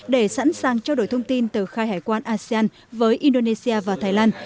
để sẵn sàng trao đổi thông tin từ khai hải quan asean với indonesia và thái lan